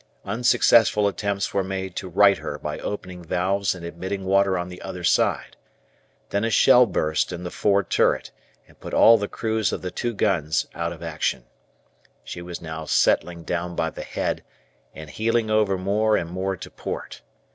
Unsuccessful attempts were made to right her by opening valves and admitting water on the other side. Then a shell burst in the fore turret and put all the crews of the two guns out of action. She was now settling down by the head and heeling over more and more to port.